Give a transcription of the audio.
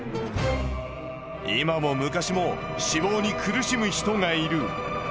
今も昔も脂肪に苦しむ人がいる。